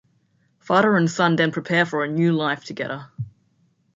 Father and son then prepare for a new life together.